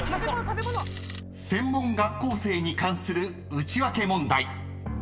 ［専門学校生に関するウチワケ問題］